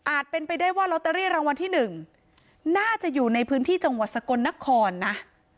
เป็นไปได้ว่าลอตเตอรี่รางวัลที่๑น่าจะอยู่ในพื้นที่จังหวัดสกลนครนะ